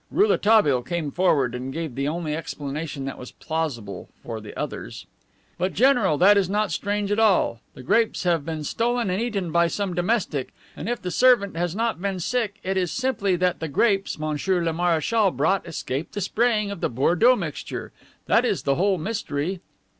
Rouletabille came forward and gave the only explanation that was plausible for the others. "But, General, that is not strange at all. The grapes have been stolen and eaten by some domestic, and if the servant has not been sick it is simply that the grapes monsieur le marechal brought escaped the spraying of the Bordeaux mixture. That is the whole mystery."